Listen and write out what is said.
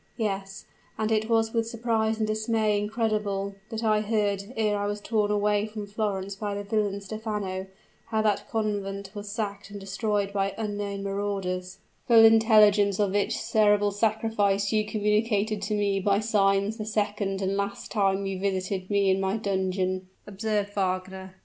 Yes, and it was with surprise and dismay incredible that I heard, ere I was torn away from Florence by the villain Stephano, how that convent was sacked and destroyed by unknown marauders " "Full intelligence of which terrible sacrilege you communicated to me by signs the second and last time you visited me in my dungeon," observed Wagner.